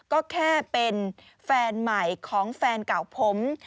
ก็แค่เป็นแฟนใหม่ของแฟนเก่าผม